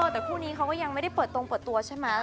แต่คู่นี้เขาก็ยังไม่ได้เปิดตรงเปิดตัวใช่ไหม